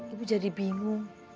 ibu jadi bingung